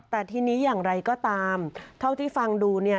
แต่ทีนี้อย่างไรก็ตามเท่าที่ฟังดูเนี่ย